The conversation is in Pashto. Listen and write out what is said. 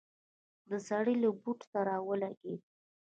د سړي له بوټ سره ولګېده.